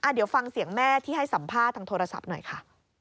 เดี๋ยวฟังเสียงแม่ที่ให้สัมภาษณ์ทางโทรศัพท์หน่อยค่ะ